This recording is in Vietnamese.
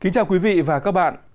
kính chào quý vị và các bạn